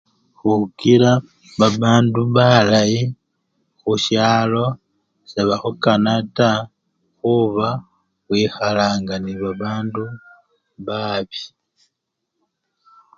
Khukila babandu balayi khushalo sebakhukana taa khuba wikhalanga nebabandu babii.